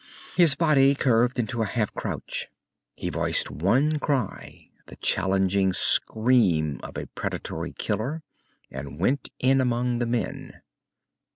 His body curved into a half crouch. He voiced one cry, the challenging scream of a predatory killer, and went in among the men.